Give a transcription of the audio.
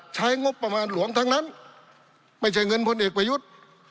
ใช้งบประมาณหลวงทั้งนั้นไม่ใช่เงินพลเอกประยุทธ์